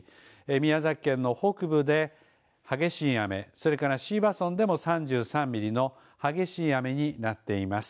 宮崎県の北部で激しい雨、それから椎葉村でも３３ミリの激しい雨になっています。